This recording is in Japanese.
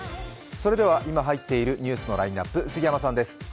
それでは今入っているニュースのラインナップ、杉山さんです。